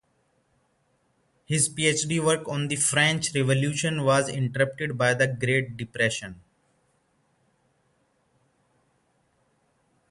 His Ph.D. work on the French Revolution was interrupted by the Great Depression.